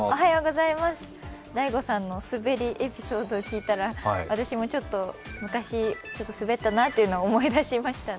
大悟さんのスベりエピソードを聞いたら私もちょっと昔、ちょっとスベったなというのを思い出しましたね。